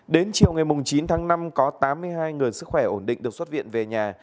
đến chiều ngày chín tháng năm có tám mươi hai người sức khỏe ổn định được xuất viện về nhà